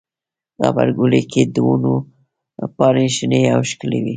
غبرګولی کې د ونو پاڼې شنې او ښکلي وي.